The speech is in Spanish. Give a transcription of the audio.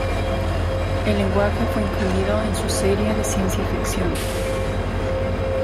El lenguaje fue incluido en su serie de ciencia ficción.